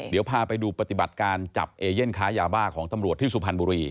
เดี๋ยวพาไปดูปฏิบัติการจับเอเย่นค้ายาบ้าของตำรวจที่สุพรรณบุรี